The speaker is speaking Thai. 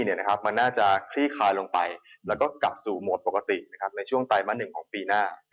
มันน่าจะคลี่คลายลงไปแล้วก็กลับสู่โหมดปกติในช่วงไตรมาส๑ของปีหน้า